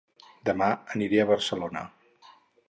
Dema aniré a Barcelona